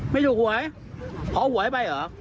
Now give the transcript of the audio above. ไม่ถูกหวยพอหวยไปเหรอ